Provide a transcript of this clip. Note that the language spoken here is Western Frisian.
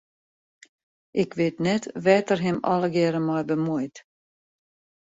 Ik wit net wêr't er him allegearre mei bemuoit.